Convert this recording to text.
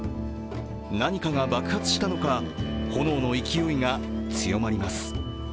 何かが爆発したのか、炎の勢いが強まります。